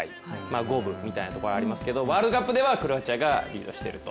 五分みたいなところありますけどワールドカップではクロアチアがリードしてると。